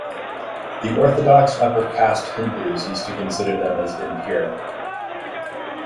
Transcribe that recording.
The orthodox upper caste Hindus used to consider them as "impure".